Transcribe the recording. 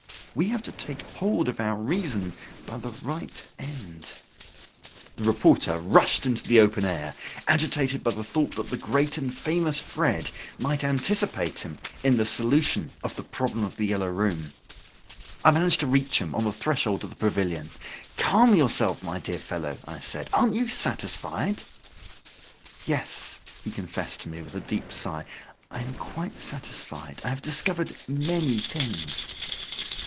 We have to take hold of our reason by the right end." The reporter rushed into the open air, agitated by the thought that the great and famous Fred might anticipate him in the solution of the problem of "The Yellow Room". I managed to reach him on the threshold of the pavilion. "Calm yourself, my dear fellow," I said. "Aren't you satisfied?" "Yes," he confessed to me, with a deep sigh. "I am quite satisfied. I have discovered many things."